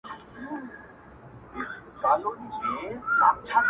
تر سلو شاباسو يوه ايکي ښه ده.